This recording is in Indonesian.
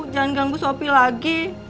jangan ganggu sopi lagi